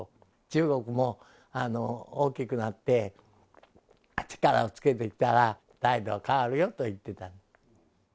中国も大きくなって、力をつけてきたら態度は変わるよと言ってた。